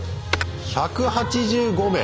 １８５名。